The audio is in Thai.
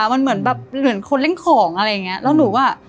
มันเหมือนแบบเหมือนคนเล่นของอะไรอย่างเงี้ยแล้วหนูอ่ะ